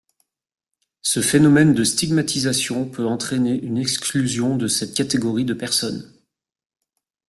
Ce phénomène de stigmatisation peut entraîner une exclusion de cette catégorie de personnes.